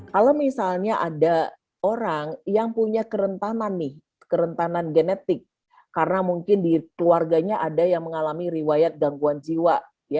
kalau misalnya ada orang yang punya kerentanan genetik karena mungkin di keluarganya ada yang mengalami riwayat gangguan jiwa